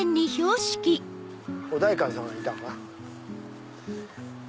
お代官さまがいたのかな。